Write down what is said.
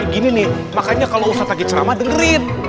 gini nih makanya kalo usah tagih ceramah dengerin